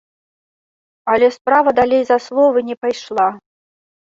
Але справа далей за словы не пайшла.